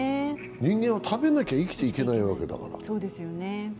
人間は食べなきゃ生きていけないわけだから。